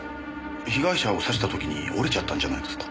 被害者を刺した時に折れちゃったんじゃないですか？